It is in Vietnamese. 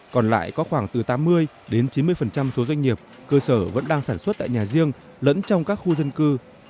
còn lại có khoảng từ tám mươi đến chín mươi số doanh nghiệp cơ sở vẫn đang sản xuất tại nhà riêng lẫn trong các khu dân cư